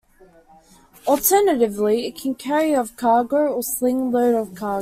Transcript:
Alternatively, it can carry of cargo or sling load of cargo.